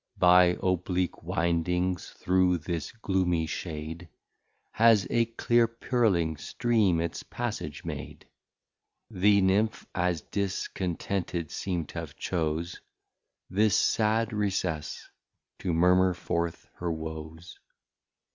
By oblique windings through this gloomy Shade, Has a clear purling Stream its Passage made, The Nimph, as discontented seem'd t'ave chose This sad Recess to murmur forth her Woes.